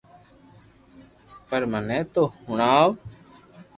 پر مني تو ھڻاو